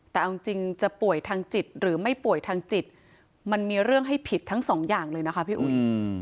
แต่เอาจริงจะป่วยทางจิตหรือไม่ป่วยทางจิตมันมีเรื่องให้ผิดทั้งสองอย่างเลยนะคะพี่อุ๋ย